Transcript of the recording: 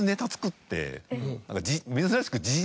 珍しく。